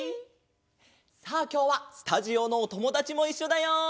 さあきょうはスタジオのおともだちもいっしょだよ！